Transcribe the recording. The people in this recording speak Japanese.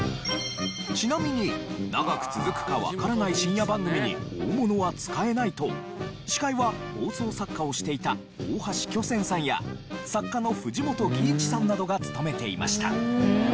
ちなみに長く続くかわからない深夜番組に大物は使えないと司会は放送作家をしていた大橋巨泉さんや作家の藤本義一さんなどが務めていました。